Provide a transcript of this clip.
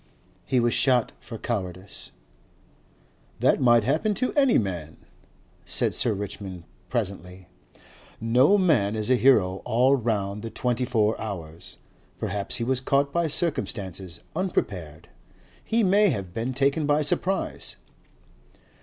He was shot for cowardice." "That might happen to any man," said Sir Richmond presently. "No man is a hero all round the twenty four hours. Perhaps he was caught by circumstances, unprepared. He may have been taken by surprise."